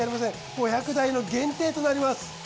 ５００台の限定となります。